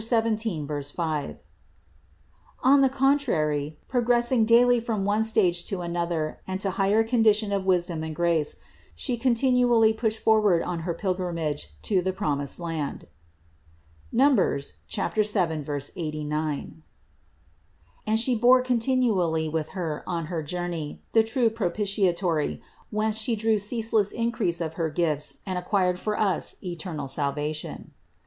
17, 5) ; on the contrary, progressing daily from one stage to another and to higher condition of wisdom and grace, She continually pushed forward on her pilgrimage to the promised land (Numb. 7, 89) ; and She bore continually with Her on her journey the true propitiatory, whence She drew ceaseless increase of her gifts and acquired for us eternal salvation.